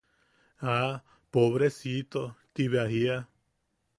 ¡Ah! Pobrecito– ti bea jiia.